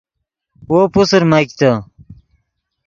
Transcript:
وو پوسر میگتے